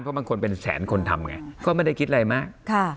เพราะบางคนเป็นแสนคนทำไงก็ไม่ได้คิดอะไรมาก